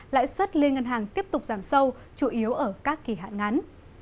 lãi suất liên ngân hàng tiếp tục giảm sâu chủ yếu ở các kỳ hạn ngắn